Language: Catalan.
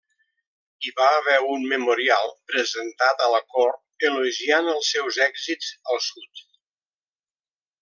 Hi va haver un memorial presentat a la cort elogiant els seus èxits al sud.